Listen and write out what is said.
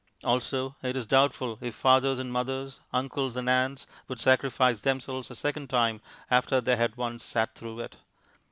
(Also it is doubtful if fathers and mothers, uncles and aunts, would sacrifice themselves a second time, after they had once sat through it.)